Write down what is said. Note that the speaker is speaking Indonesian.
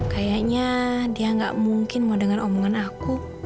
kayaknya dia gak mungkin mau denger omongan aku